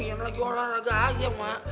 yang lagi orang raga aja